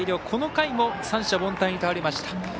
この回も三者凡退に倒れました。